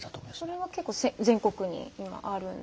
それは結構全国に今、あるんですか。